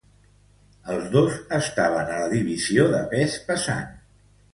Els dos estaven a la divisió de pes pesant.